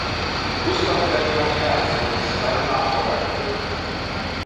Gustav Ferdinand Hertz wurde zu seinem Nachfolger gewählt.